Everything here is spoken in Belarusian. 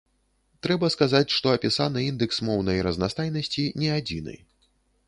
Трэба сказаць, што апісаны індэкс моўнай разнастайнасці не адзіны.